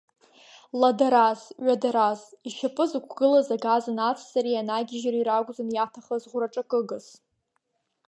Ладараз, ҩадараз, ишьапы зықәгылаз агаз анацҵареи анагьежьреи ракәӡан иаҭахыз ӷәраҿакыгас!